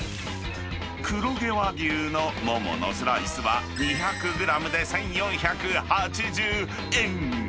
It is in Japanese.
黒毛和牛のモモのスライスは２００グラムで１４８０円。